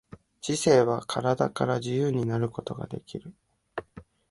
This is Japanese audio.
知性は身体から自由になることができる。